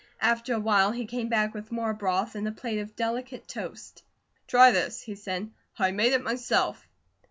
After a while he came back with more broth and a plate of delicate toast. "Try this," he said. "I made it myself."